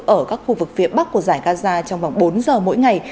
ở các khu vực phía bắc của giải gaza trong vòng bốn giờ mỗi ngày